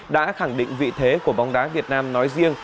đã khẳng định vị thế của bóng đá việt nam nói riêng